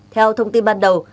theo thông tin ban đầu